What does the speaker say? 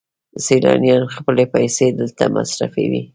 سیلانیان خپلې پیسې دلته مصرفوي.